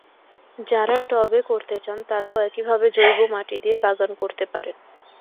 যাঁরা টবে করতে চান, তাঁরাও একইভাবে জৈব মাটি দিয়ে বাগান করতে পারেন।